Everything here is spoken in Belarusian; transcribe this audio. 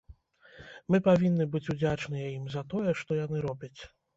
Мы павінны быць удзячныя ім за тое, што яны робяць.